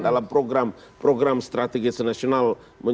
dalam program strategis nasional